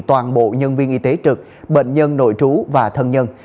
toàn bộ nhân viên y tế trực bệnh nhân nội trú và thân nhân